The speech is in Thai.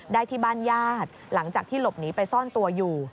ได้ที่บ้านญาติหลังจากที่หลบหนีไปซ่อนตัวอยู่